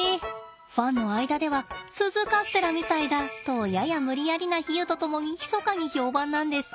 ファンの間では鈴カステラみたいだとやや無理やりな比喩と共にひそかに評判なんです。